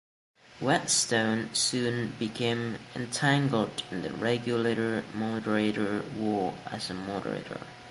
Whetstone soon became entangled in the Regulator-Moderator War as a Moderator.